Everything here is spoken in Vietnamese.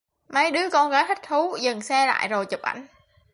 Mấy đứa con gái thích thú dừng xe lại rồi chụp ảnh